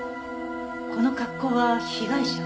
この格好は被害者？